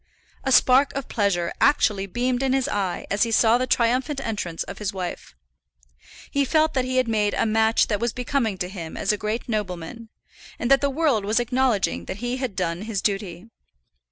A spark of pleasure actually beamed in his eye as he saw the triumphant entrance of his wife. He felt that he had made a match that was becoming to him as a great nobleman, and that the world was acknowledging that he had done his duty.